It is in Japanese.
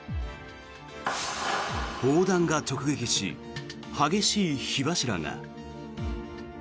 砲弾が直撃し、激しい火柱が。